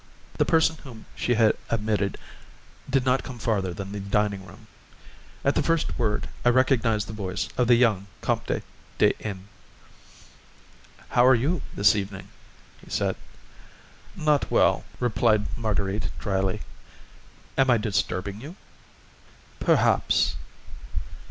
The person whom she had admitted did not come farther than the dining room. At the first word I recognised the voice of the young Comte de N. "How are you this evening?" he said. "Not well," replied Marguerite drily. "Am I disturbing you?" "Perhaps."